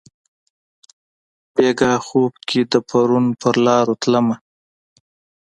بیګاه خوب کښي د پرون پرلارو تلمه